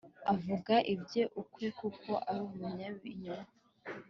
aravuga ibye ubwe kuko ari umunyabinyoma